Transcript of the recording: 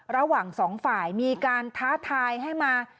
ระหว่างสองฝ่ายมีการท้าทายให้มา